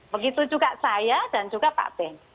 begitu juga saya dan juga pak ben